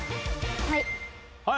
はい！